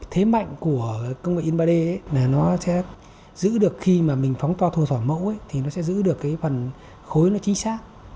thế mạnh của công nghệ in ba d là nó sẽ giữ được khi mà mình phóng to thu thập mẫu thì nó sẽ giữ được cái phần khối nó chính xác